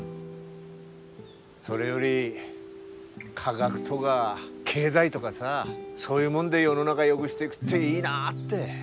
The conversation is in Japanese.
それより科学とか経済とかさそういうもんで世の中よぐしていぐっていいなって。